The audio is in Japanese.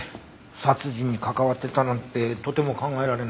殺人に関わってたなんてとても考えられない。